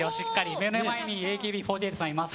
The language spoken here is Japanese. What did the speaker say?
目の前にＡＫＢ４８さんがいます。